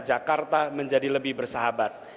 jakarta menjadi lebih bersahabat